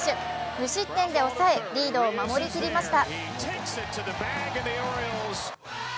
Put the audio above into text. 無失点で抑え、リードを守りきりました。